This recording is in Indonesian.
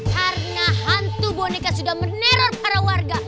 karena hantu boneka sudah meneror para warga